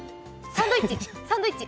サンドイッチ？